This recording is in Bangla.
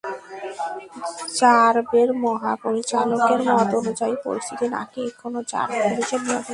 র্যাবের মহাপরিচালকের মত অনুযায়ী, পরিস্থিতি নাকি এখনো র্যাব পুলিশের নিয়ন্ত্রণেই আছে।